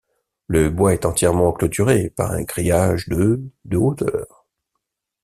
Le bois est entièrement clôturé par un grillage de de hauteur.